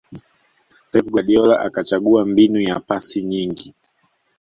pep guardiola akachagua mbinu ya pasi nyingi